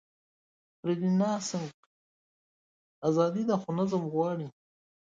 فریلانسنګ ازادي ده، خو نظم غواړي.